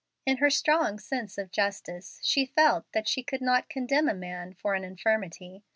In her strong sense of justice she felt that she should not condemn a man for an infirmity.